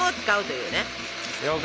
了解。